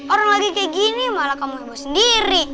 orang lagi kayak gini malah kamu ibu sendiri